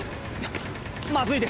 まずいです。